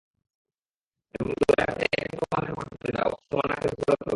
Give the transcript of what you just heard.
এবং দয়া করে এটাকে তোমার নাকের উপরে চাপ দেও, তোমার নাকের উপরে তোল।